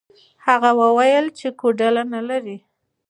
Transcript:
هغه وویل چې کوډله نه لري.